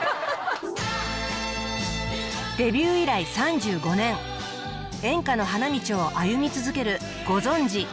デビュー以来３５年演歌の花道を歩み続けるご存じ